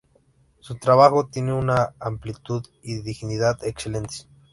Su trabajo tiene una amplitud y dignidad excelentes.